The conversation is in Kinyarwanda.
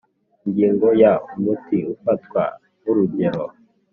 Ingingo ya umuti ufatwa nk urugero